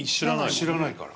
知らないから。